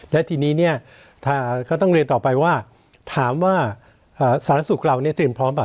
และทีนี้เนี่ยก็ต้องเรียนต่อไปว่าถามว่าสารสูรคราวเนี่ยติดเชื้อพร้อมป่ะ